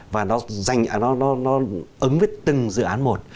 và nó ứng với từng dự án một